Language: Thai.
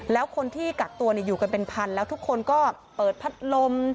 แล้วคนที่กักตัวอยู่กันเป็นพันแล้วทุกคนก็เปิดพัดลม